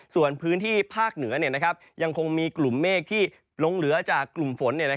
ส่วนพื้นที่ภาคเหนือยังคงมีกลุ่มเมฆที่ลงเหลือจากกลุ่มฝน